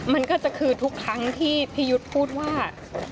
มันก็จะคือทุกครั้งที่พี่ยุทธ์พูดว่า